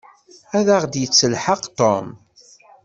Ad aɣ-d-yettelḥaq Tom.